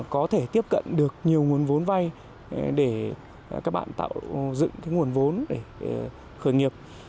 có thể tiếp cận được nhiều nguồn vốn vay để các bạn tạo dựng cái nguồn vốn để khởi nghiệp